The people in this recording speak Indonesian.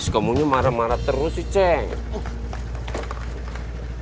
kamunya marah marah terus sih cek